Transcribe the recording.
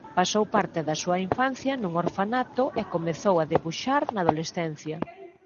Pasou parte da súa infancia nun orfanato e comezou a debuxar na adolescencia.